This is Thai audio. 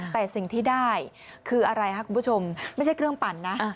แต่สิ่งที่ได้คืออะไรครับคุณผู้ชมไม่ใช่เครื่องปั่นนะ